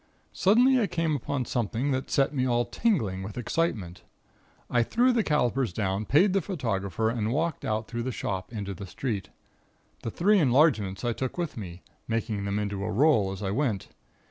"Suddenly I came upon something that set me all tingling with excitement. I threw the calipers down, paid the photographer, and walked out through the shop into the street. The three enlargements I took with me, making them into a roll as I went.